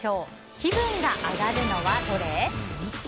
気分が上がるのはどれ？